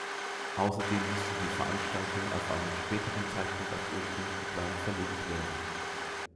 Außerdem musste die Veranstaltung auf einen späteren Zeitpunkt als ursprünglich geplant verlegt werden.